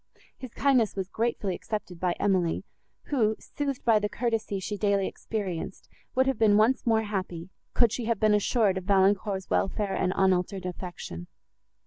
His kindness was gratefully accepted by Emily, who, soothed by the courtesy she daily experienced, would have been once more happy, could she have been assured of Valancourt's welfare and unaltered affection.